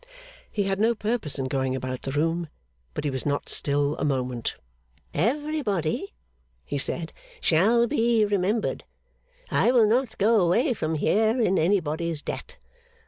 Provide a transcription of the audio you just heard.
He had no purpose in going about the room, but he was not still a moment. 'Everybody,' he said, 'shall be remembered. I will not go away from here in anybody's debt.